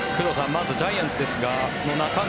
まずジャイアンツですが中川、